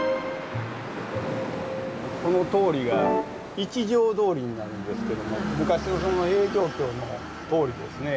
この通りが一条通りになるんですけども昔の平城京の通りですね。